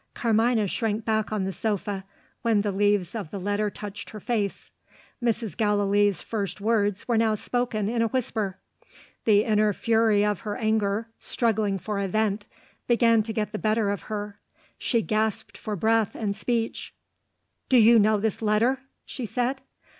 Carmina shrank back on the sofa, when the leaves of the letter touched her face. Mrs. Gallilee's first words were now spoken, in a whisper. The inner fury of her anger, struggling for a vent, began to get the better of her she gasped for breath and speech. "Do you know this letter?" she said.